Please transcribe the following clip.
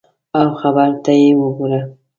او خبرو ته یې وګوره !